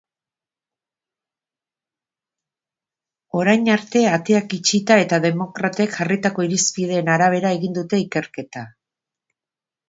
Orain arte, ateak itxita eta demokratek jarritako irizpideen arabera egin dute ikerketa.